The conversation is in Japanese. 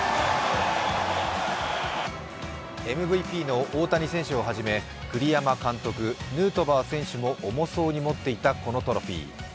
ＭＶＰの大谷選手をはじめ、栗山監督、ヌートバー選手も重そうに持っていたこのトロフィー。